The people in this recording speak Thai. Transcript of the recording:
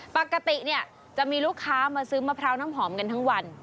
ปกติเนี่ยจะมีลูกค้ามาซื้อมะพร้าวน้ำหอมกันทั้งวัน